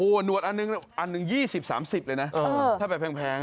โอ้โหหนวดอันหนึ่ง๒๐รสอันหนึ่ง๓๐รสเลยนะถ้าไปแพงนะ